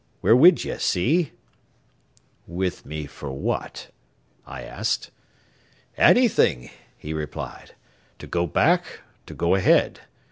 We're wid ye, see?" "With me for what?" I asked. "Anything," he replied. "To go back, to go ahead.